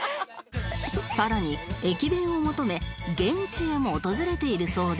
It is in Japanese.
更に駅弁を求め現地へも訪れているそうで